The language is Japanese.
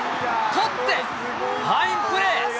捕って、ファインプレー。